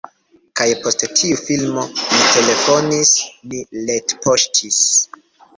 kaj post tiu filmo ni telefonis, ni retpoŝtis